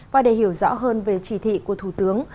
và để hiểu rõ hơn về chỉ thị của thủ tướng